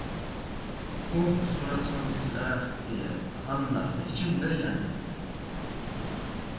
«Uh, soratso‘ngizlar! — deya, g‘animlarimni ichimda yandim.